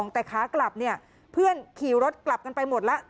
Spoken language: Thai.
แต่ขากลับเนี่ยเพื่อนขี่รถกลับกันไปหมดแล้ว